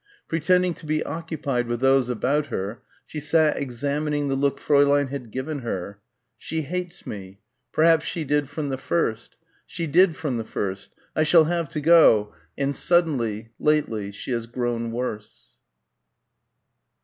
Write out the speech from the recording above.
Pretending to be occupied with those about her she sat examining the look Fräulein had given her ... she hates me.... Perhaps she did from the first.... She did from the first.... I shall have to go ... and suddenly, lately, she has grown worse....